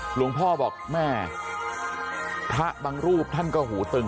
หลวงพ่อบอกแม่พระบางรูปท่านก็หูตึง